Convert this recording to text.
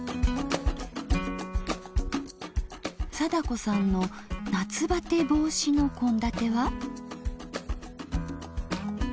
貞子さんの夏バテ防止の献立は？